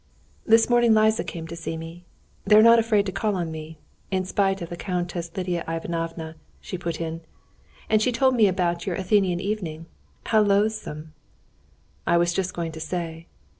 "This morning Liza came to see me—they're not afraid to call on me, in spite of the Countess Lidia Ivanovna," she put in—"and she told me about your Athenian evening. How loathsome!" "I was just going to say...."